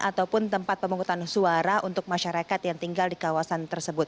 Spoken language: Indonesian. ataupun tempat pemungutan suara untuk masyarakat yang tinggal di kawasan tersebut